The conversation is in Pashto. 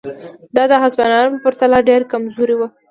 دا د هسپانیې په پرتله ډېره کمزورې وه.